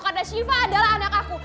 karena syifa adalah anak aku